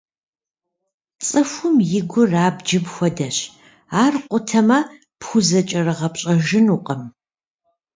ЦӀыхум и гур абджым хуэдэщ, ар къутамэ, пхузэкӀэрыгъэпщӀэжынукъым.